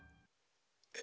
え？